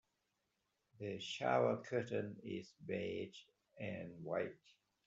The shower curtain is beige and white.